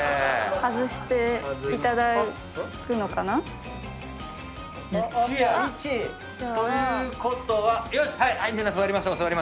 外していただくのかな？ということはよしっ！